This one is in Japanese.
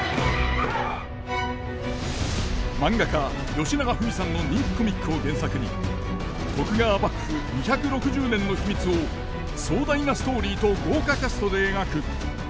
漫画家よしながふみさんの人気コミックを原作に徳川幕府２６０年の秘密を壮大なストーリーと豪華キャストで描く本格時代劇です。